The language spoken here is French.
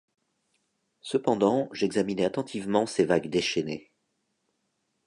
Cependant j’examinais attentivement ces vagues déchaînées.